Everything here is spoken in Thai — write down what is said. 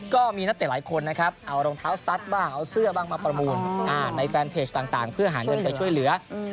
ก็มีนักเตะหลายคนนะครับเอารองเท้าสตั๊ดบ้างเอาเสื้อบ้างมาประมูลในแฟนเพจต่างเพื่อหาเงินไปช่วยเหลือ